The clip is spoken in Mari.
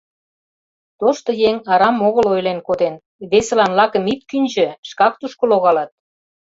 Тошто еҥ арам огыл ойлен коден: весылан лакым ит кӱнчӧ — шкак тушко логалат.